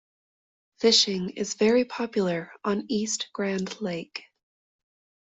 Fishing is very popular on East Grand Lake.